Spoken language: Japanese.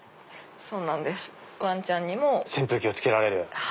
そうなんですわんちゃんにも。扇風機をつけられる。